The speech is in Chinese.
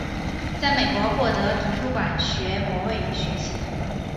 在美国获得图书馆学博士学位。